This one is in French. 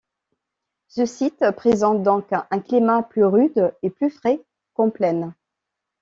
Ce site présente donc un climat plus rude et plus frais qu'en plaine.